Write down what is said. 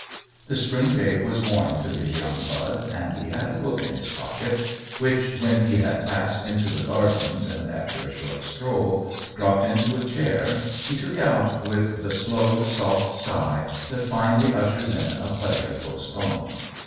The spring day was warm to his young blood, and he had a book in his pocket which, when he had passed into the gardens, and, after a short stroll, dropped into a chair, he took out with the slow, soft sigh that finally ushers in a pleasure post poned.